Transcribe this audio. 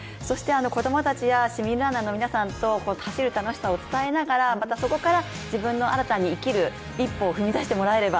子供たちや市民ランナーの皆さんとの走る楽しさを伝えながら、またそこから自分の新たに生きる一歩を踏み出してもらえれば。